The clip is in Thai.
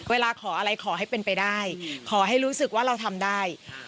เวลาขออะไรขอให้เป็นไปได้ขอให้รู้สึกว่าเราทำได้